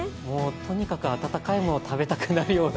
とにかく温かいものを食べたくなるような。